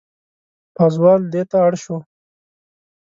پازوال دېته اړ شو.